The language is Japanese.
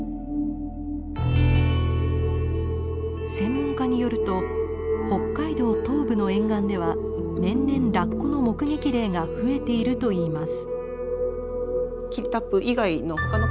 専門家によると北海道東部の沿岸では年々ラッコの目撃例が増えているといいます。